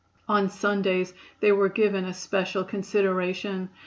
On Sundays they were given especial consideration.